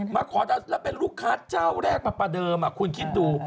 มาขอแล้วเป็นลูกค้าเจ้าแรกมาประเดิมคุณคิดดู